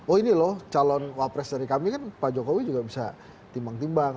oh ini loh calon wapres dari kami kan pak jokowi juga bisa timbang timbang